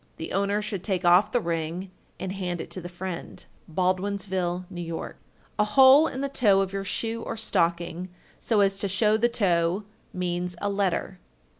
The owner should take off the ring and hand it to the friend. Baldwinsville, N.Y. 1394. A hole in the toe of your shoe or stocking, so as to show the toe, means a letter.